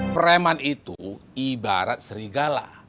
pereman itu ibarat serigala